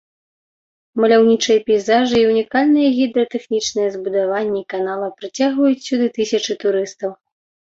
Маляўнічыя пейзажы і ўнікальныя гідратэхнічныя збудаванні канала прыцягваюць сюды тысячы турыстаў.